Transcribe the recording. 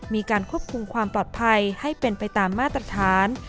มีการควบคุมความปลอดภัยให้เป็นไปตามมาตรฐาน